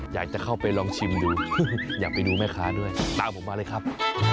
อยากจะเข้าไปลองชิมดูอยากไปดูแม่ค้าด้วยตามผมมาเลยครับ